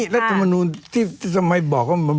รัฐมนุนที่สมัยบอกว่า